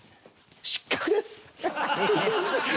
失格です。